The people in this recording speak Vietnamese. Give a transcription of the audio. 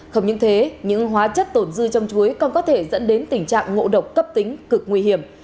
không những thế những hóa chất tổn dư trong chuối còn có thể dẫn đến tình trạng ngộ độc cấp tính cực nguy hiểm